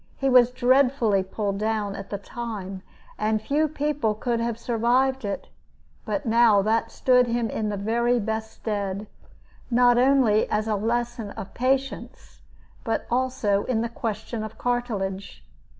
He was dreadfully pulled down at the time, and few people could have survived it. But now that stood him in the very best stead, not only as a lesson of patience, but also in the question of cartilage.